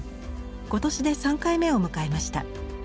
今年で３回目を迎えました。